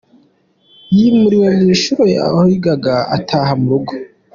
Yimuriwe mu ishuri aho yigaga ataha mu rugo.